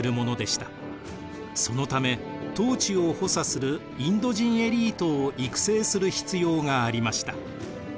そのため統治を補佐するインド人エリートを育成する必要がありました。